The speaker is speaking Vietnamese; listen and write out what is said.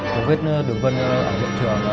có vết đường vân ở diện trường